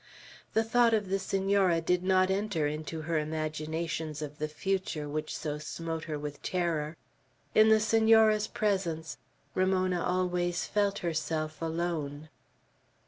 The thought of the Senora did not enter into her imaginations of the future which so smote her with terror. In the Senora's presence, Ramona always felt herself alone.